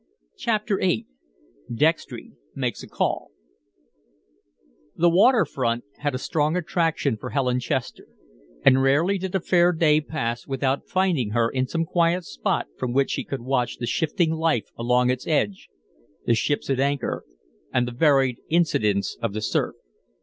CHAPTER VIII DEXTRY MAKES A CALL The water front had a strong attraction for Helen Chester, and rarely did a fair day pass without finding her in some quiet spot from which she could watch the shifting life along its edge, the ships at anchor, and the varied incidents of the surf.